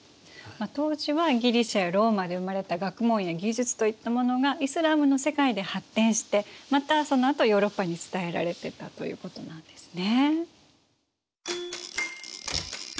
当時はギリシアやローマで生まれた学問や技術といったものがイスラームの世界で発展してまたそのあとヨーロッパに伝えられてたということなんですね。